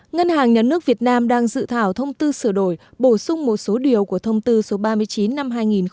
ngân hàng nhà nước việt nam đang dự thảo thông tư sửa đổi bổ sung một số điều của thông tư số ba mươi chín năm hai nghìn một mươi